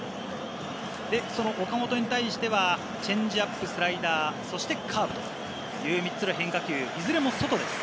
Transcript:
岡本に対してはチェンジアップ、スライダー、そしてカーブという３つの変化球、いずれも外です。